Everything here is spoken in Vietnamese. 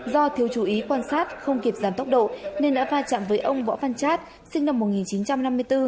do thiếu chú ý quan sát không kịp giảm tốc độ nên đã va chạm với ông võ văn chát sinh năm một nghìn chín trăm năm mươi bốn